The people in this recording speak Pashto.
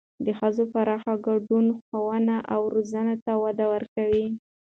د ښځو پراخ ګډون ښوونې او روزنې ته وده ورکوي.